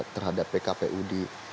terhadap pkpu di